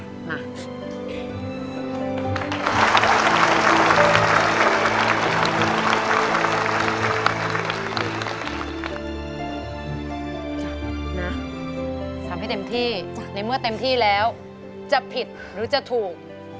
นะทำให้เต็มที่ในเมื่อเต็มที่แล้วจะผิดหรือจะถูก